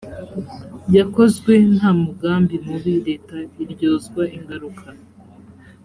yakozwe nta mugambi mubi leta iryozwa ingaruka